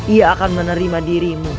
ia akan menerima dirimu